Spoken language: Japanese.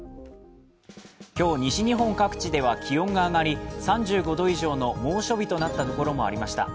今日、西日本各地では気温が上がり、３５度以上の猛暑日となったところもありました。